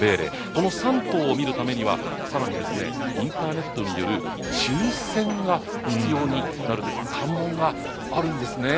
この３頭を見るためには更にインターネットによる抽選が必要になるという関門があるんですね。